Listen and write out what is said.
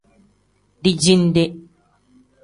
Dijinde.